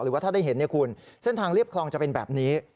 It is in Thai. ว่าถ้าได้เห็นคุณเส้นทางเรียบคลองจะเป็นแบบนี้